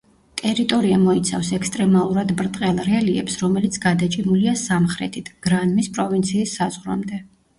ტერიტორია მოიცავს ექსტრემალურად ბრტყელ რელიეფს, რომელიც გადაჭიმულია სამხრეთით, გრანმის პროვინციის საზღვრამდე.